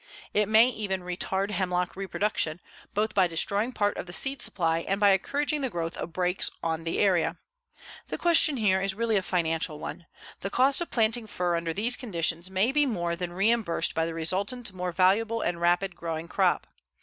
It may even retard hemlock reproduction, both by destroying part of the seed supply and by encouraging the growth of brakes on the area. The question here is a really financial one. The cost of planting fir under these conditions may be more than reimbursed by the resultant more valuable and rapid growing crop.